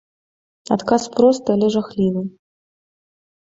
Адказ просты, але жахлівы.